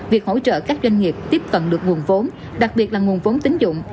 việc hỗ trợ các doanh nghiệp tiếp cận được nguồn vốn đặc biệt là nguồn vốn tín dụng